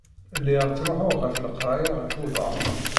Lliɣ ttruḥuɣ ɣer leqraya ɣef uḍar.